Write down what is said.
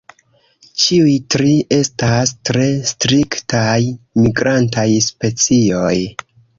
Ĉiuj tri estas tre striktaj migrantaj specioj.